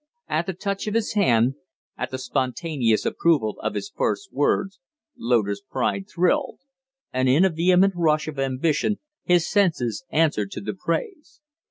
At the touch of his hand, at the spontaneous approval of his first words, Loder's pride thrilled, and in a vehement rush of ambition his senses answered to the praise.